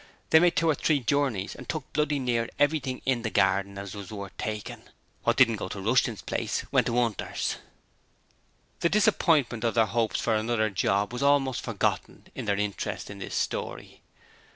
They made two or three journeys and took bloody near everything in the garden as was worth takin'. What didn't go to Rushton's place went to 'Unter's.' The disappointment of their hopes for another job was almost forgotten in their interest in this story.